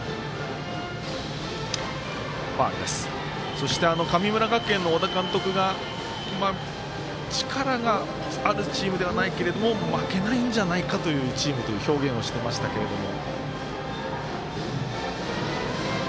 そして神村学園の小田監督が力があるチームではないけれども負けないんじゃないかというチームと表現をしていましたけれども。